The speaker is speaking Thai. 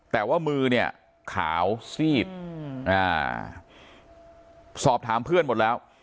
แต่ว่ามือเนี่ยขาวซีดสอบถามเพื่อนหมดแล้ว